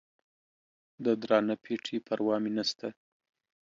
د درانه پېټي پروا مې نسته.